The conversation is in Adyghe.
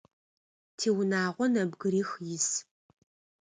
Тиунагъо нэбгырих ис.